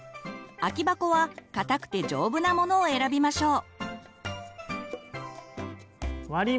空き箱は硬くて丈夫なモノを選びましょう。